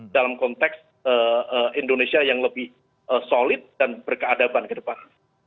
dalam konteks indonesia yang lebih solid dan berkeadaban ke depan